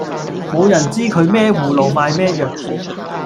無人知佢咩葫蘆賣咩藥